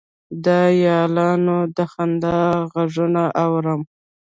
د یارانو د خندا غـږونه اورم